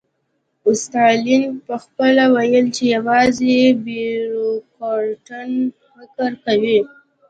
ستالین پخپله ویل چې یوازې بیروکراټان فکر کوي